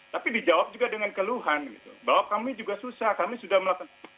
tapi dijawab juga dengan keluhan bahwa kami juga susah kami sudah melakukan